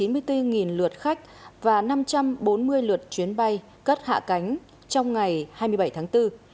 và năm trăm bốn mươi lượt chuyến bay cất hạ cánh trong ngày hai mươi bảy tháng bốn